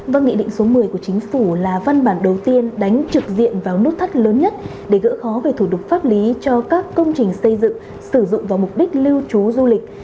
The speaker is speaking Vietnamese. và nghị định số một mươi của chính phủ là văn bản đầu tiên đánh trực diện vào nút thắt lớn nhất để gỡ khó về thủ tục pháp lý cho các công trình xây dựng sử dụng vào mục đích lưu trú du lịch